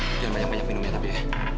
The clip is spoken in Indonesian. jangan banyak banyak minum ya tapi ya